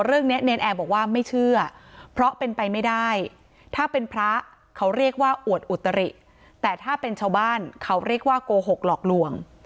เนรนแอร์บอกว่าไม่เชื่อเพราะเป็นไปไม่ได้ถ้าเป็นพระเขาเรียกว่าอวดอุตริแต่ถ้าเป็นชาวบ้านเขาเรียกว่าโกหกหลอกลวง